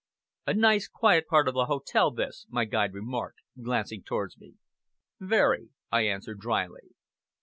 "A nice quiet part of the hotel this," my guide remarked, glancing towards me. "Very!" I answered dryly.